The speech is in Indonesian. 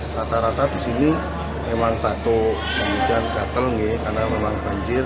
rata rata di sini memang batuk kemudian gatel karena memang banjir